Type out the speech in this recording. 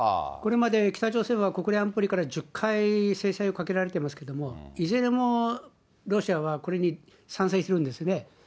これまで北朝鮮は、国連安保理から１０回制裁をかけられていますけれども、いずれもロシアはこれに賛成してるんですね。